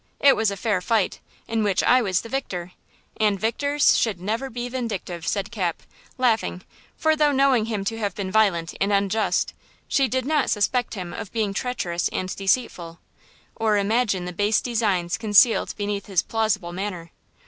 It was a fair fight, in which I was the victor, and victors should never be vindictive," said Cap, laughing, for, though knowing him to have been violent and unjust, she did not suspect him of being treacherous and deceitful, or imagine the base designs concealed beneath his plausible manner.